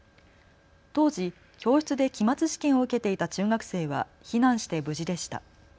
当時、教室で期末試験を受けていた中学生は避難して無事でした。